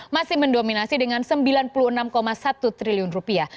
masih mendominasi dengan sembilan puluh enam satu triliun rupiah